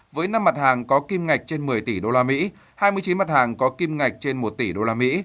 với năm mặt hàng có kim ngạch trên một mươi tỷ usd hai mươi chín mặt hàng có kim ngạch trên một tỷ usd